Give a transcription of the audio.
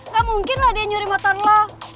gak mungkin lah dia nyuri motor lo